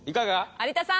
有田さん